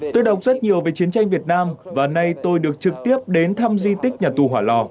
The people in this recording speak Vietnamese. tôi đọc rất nhiều về chiến tranh việt nam và nay tôi được trực tiếp đến thăm di tích nhà tù hỏa lò